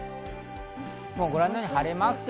ご覧のように晴れマーク。